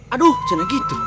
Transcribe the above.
aduh jangan gitu